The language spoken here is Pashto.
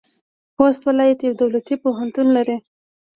خوست ولایت یو دولتي پوهنتون لري.